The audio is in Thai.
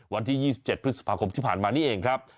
วันที่๒๗พฤษภาคมที่ผ่านมานี่เองครับ